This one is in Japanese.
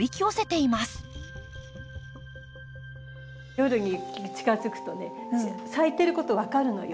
夜に近づくとね咲いてること分かるのよ。